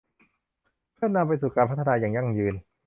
เพื่อนำไปสู่การพัฒนาอย่างยั่งยืน